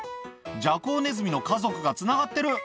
ジャコウネズミの家族がつながってる。